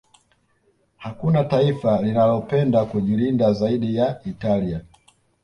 Hakuna taifa linalopenda kujilinda zaidi ya Italia